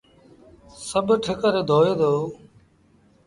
سڀ ٺڪر دوئي دو۔